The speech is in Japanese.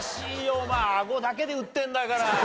お前アゴだけで売ってんだから。